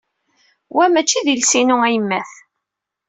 Wa maci d iles-inu ayemmat.